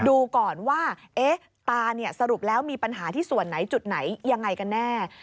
ดูก่อนว่าตาสรุปแล้วมีปัญหาที่ส่วนไหนจุดไหนยังไงกันแน่